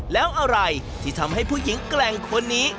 แล้วอะไรที่ทำให้ผู้หญิงแกร่งคนนี้